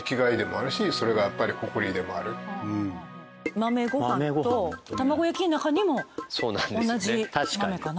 豆ごはんと卵焼きの中にも同じ豆かな？